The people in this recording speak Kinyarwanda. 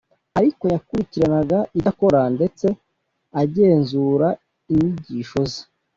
ariko yakurikiranaga ibyo akora, ndetse agenzura inyigisho ze